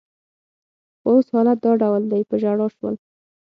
خو اوس حالت دا ډول دی، په ژړا شول.